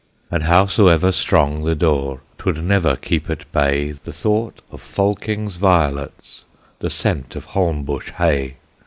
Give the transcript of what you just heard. And howsoever strong the door, 'Twould never keep at bay The thought of Fulking's violets, The scent of Holmbush hay.